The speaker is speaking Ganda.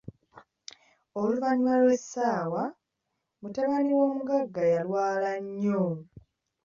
Oluvanyuma Iw'esaawa, mutabani w'omuggaga yalwala nnyo!